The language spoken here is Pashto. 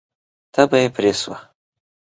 تبه یې پرې شوه.